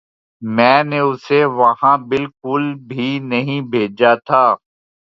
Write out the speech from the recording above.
میں نے اسے وہاں بالکل بھی نہیں بھیجا تھا